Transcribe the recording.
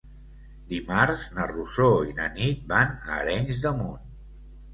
Dimarts na Rosó i na Nit van a Arenys de Munt.